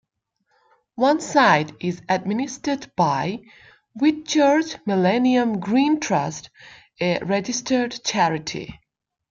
One site is administered by Whitchurch Millennium Green Trust, a registered charity.